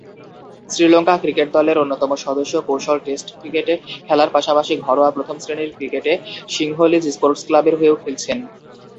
Sri Lanka cricket দলের অন্যতম সদস্য কৌশল টেস্ট ক্রিকেট খেলার পাশাপাশি ঘরোয়া প্রথম-শ্রেণীর ক্রিকেটে সিংহলীজ স্পোর্টস ক্লাবের হয়েও খেলছেন।